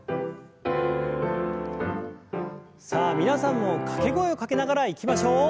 さあ皆さんも掛け声をかけながらいきましょう。